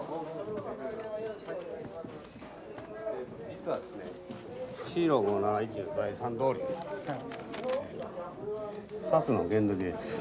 実はですね